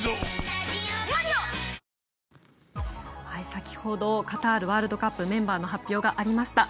先ほどカタールワールドカップメンバーの発表がありました。